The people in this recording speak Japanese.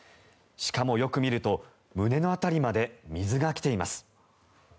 しかも、よく見ると胸の辺りまで水が来ています。